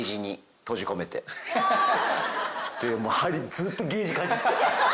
ずっとケージかじって。